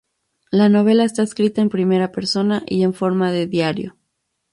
La novela está escrita en primera persona y en forma de diario.